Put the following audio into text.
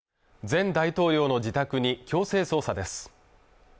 前大統領の自宅に強制捜査です